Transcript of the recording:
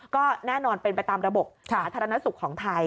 ก็แน่นอนเป็นไปตามระบบสาธารณสุขของไทย